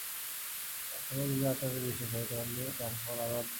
তোমরা যদি আত্মাতে বিশ্বাসী হও, তাহা হইলে তাহার ফল আরও অদ্ভুত হইবে।